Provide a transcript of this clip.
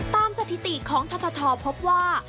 ตามสถิติของทททพบว่า